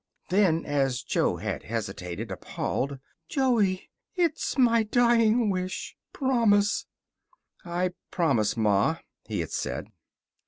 Then as Jo had hesitated, appalled: "Joey, it's my dying wish. Promise!" "I promise, Ma," he had said.